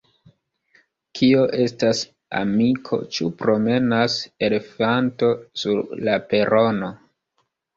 Kio estas, amiko, ĉu promenas elefanto sur la perono?